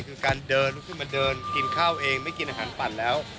คือการเดินลุกขึ้นมาเดินกินข้าวเองไม่กินอาหารปั่นแล้ว